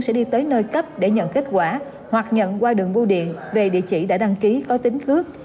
sẽ đi tới nơi cấp để nhận kết quả hoặc nhận qua đường bưu điện về địa chỉ đã đăng ký có tính cước